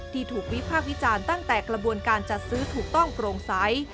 ถูกวิพากษ์วิจารณ์ตั้งแต่กระบวนการจัดซื้อถูกต้องโปร่งใส